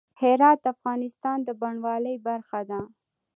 هرات د افغانستان د بڼوالۍ برخه ده.